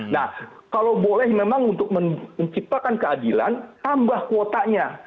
nah kalau boleh memang untuk menciptakan keadilan tambah kuotanya